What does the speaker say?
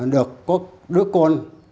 được có đứa con